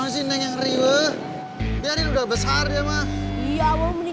kenapa ini yang ngeri